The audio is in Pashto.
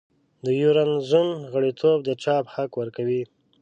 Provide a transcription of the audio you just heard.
د یورو زون غړیتوب د چاپ حق ورکوي.